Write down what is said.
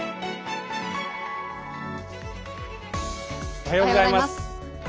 おはようございます。